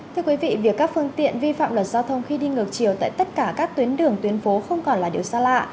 thưa quý vị việc các phương tiện vi phạm luật giao thông khi đi ngược chiều tại tất cả các tuyến đường tuyến phố không còn là điều xa lạ